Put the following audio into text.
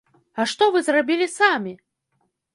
А што вы зрабілі самі?